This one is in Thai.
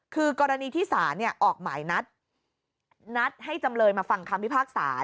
คือกรณีที่ศาลออกหมายนัดให้จำเลยมาฟังคำพิพากษา